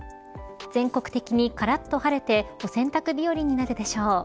全国的にからっと晴れてお洗濯日和になるでしょう。